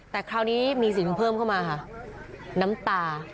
แต่คราวนี้มีสิ่งหนึ่งเพิ่มเข้ามาค่ะน้ำตา